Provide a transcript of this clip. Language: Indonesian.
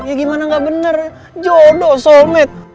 ya gimana gak bener jodoh somet